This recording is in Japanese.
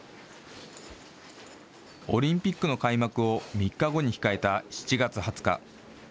オリンピックの開幕を３日後に控えた７月２０日。